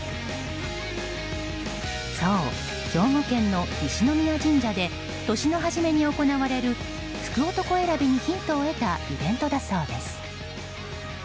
そう、兵庫県の西宮神社で年の初めに行われる福男選びにヒントを得たイベントだそうです。